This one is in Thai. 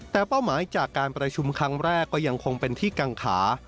แต่เป้าหมายจากการประชุมครั้งแรกก็ยังคงเป็นที่กังขา